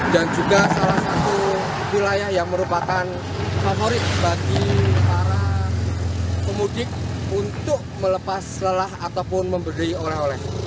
dan juga salah satu wilayah yang merupakan favorit bagi para pemudik untuk melepas lelah ataupun memberi oleh oleh